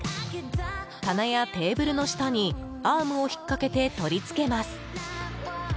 棚やテーブルの下にアームを引っ掛けて取り付けます。